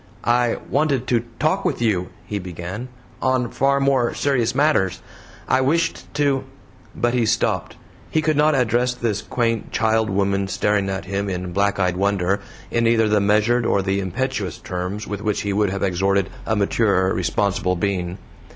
"I wanted to talk with you," he began, "on far more serious matters. I wished to " but he stopped. He could not address this quaint child woman staring at him in black eyed wonder, in either the measured or the impetuous terms with which he would have exhorted a maturer responsible being.